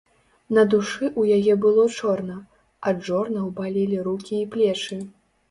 На душы ў яе было чорна, ад жорнаў балелі рукі і плечы.